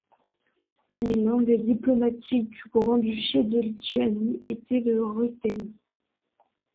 Les langues diplomatiques du grand-duché de Lituanie étaient le ruthène.